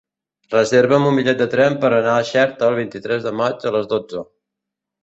Reserva'm un bitllet de tren per anar a Xerta el vint-i-tres de maig a les dotze.